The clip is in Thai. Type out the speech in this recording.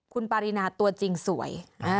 คุณปารีนาตัวจริงสวย